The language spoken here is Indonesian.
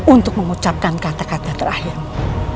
untuk mengucapkan kata kata terakhir